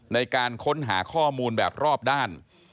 ในการค้นหาข้อมูลแบบรอบด้าน